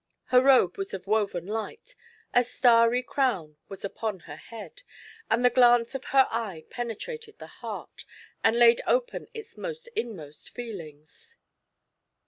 Her robe was of woven light, a starry crown was upon her head, and the glance of her eye penetrated the heart, and laid open its most inmost feelings.